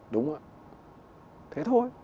đúng rồi thế thôi